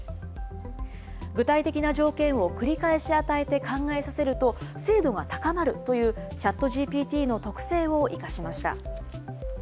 具体的な条件を繰り返し与えて考えさせると、精度が高まるというＣｈａｔＧＰＴの特性を生かしました。